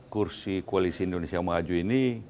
kursi koalisi indonesia maju ini